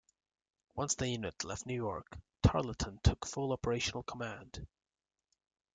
Once the unit left New York, Tarleton took full operational command.